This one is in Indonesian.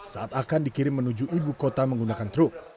saat akan dikirim menuju ibu kota menggunakan truk